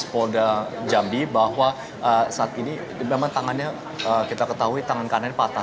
polda jambi bahwa saat ini memang tangannya kita ketahui tangan kanan patah